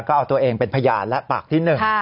ก็เอาตัวเองเป็นพยานและปากที่หนึ่ง